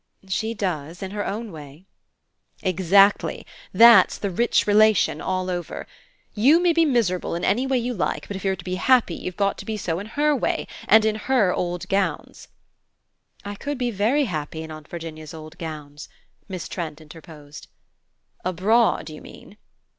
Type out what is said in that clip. "She does in her own way." "Exactly that's the rich relation all over! You may be miserable in any way you like, but if you're to be happy you've got to be so in her way and in her old gowns." "I could be very happy in Aunt Virginia's old gowns," Miss Trent interposed. "Abroad, you mean?"